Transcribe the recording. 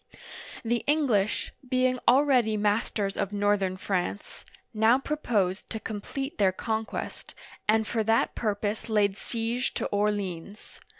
The English, being already masters of northern France, (fourth map, page 163) now proposed to complete their conquest, and for that purpose laid siege to Orleans.